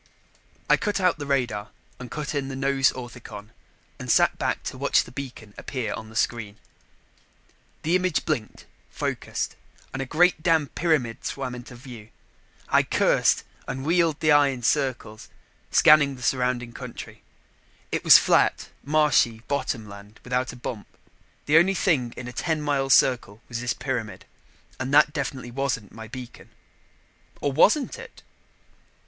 I cut out the radar and cut in the nose orthicon and sat back to watch the beacon appear on the screen. The image blinked, focused and a great damn pyramid swam into view. I cursed and wheeled the eye in circles, scanning the surrounding country. It was flat, marshy bottom land without a bump. The only thing in a ten mile circle was this pyramid and that definitely wasn't my beacon. Or wasn't it?